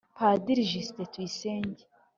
-padiri justin tuyisenge,